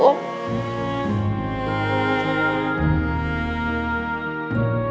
tidak ada apa apa